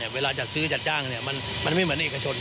เวลาจัดซื้อจัดจ้างมันไม่เหมือนเอกชน